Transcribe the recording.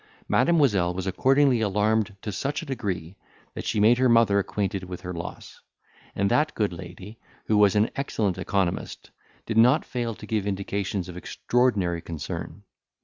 Mademoiselle was accordingly alarmed to such a degree, that she made her mother acquainted with her loss, and that good lady, who was an excellent economist, did not fail to give indications of extraordinary concern.